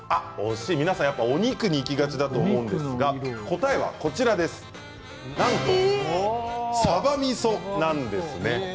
皆さんお肉にいきがちですが答えは、なんとさばみそなんです。